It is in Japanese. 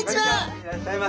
いらっしゃいませ。